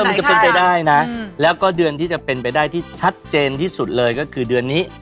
มันก็เป็นไปได้นะแล้วก็เดือนที่จะเป็นไปได้ที่ชัดเจนที่สุดเลยก็คือเดือนนี้